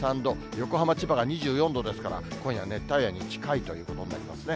横浜、千葉が２４度ですから、今夜、熱帯夜に近いということになりますね。